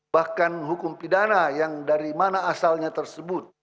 bahkan hukum pidana yang dari mana asalnya tersebut